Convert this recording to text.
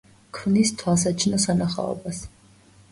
ქმნის თვალსაჩინო სანახაობას.